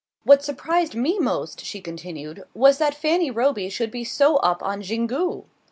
"What surprised me most," she continued, "was that Fanny Roby should be so up on Xingu."